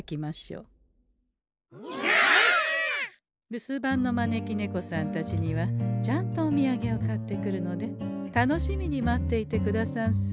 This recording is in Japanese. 留守番の招き猫さんたちにはちゃんとおみやげを買ってくるので楽しみに待っていてくださんせ。